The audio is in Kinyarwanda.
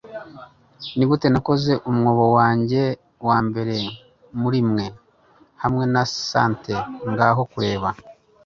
nigute nakoze umwobo wanjye wambere murimwe hamwe na santa ngaho kureba